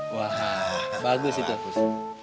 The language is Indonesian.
wah bagus itu fus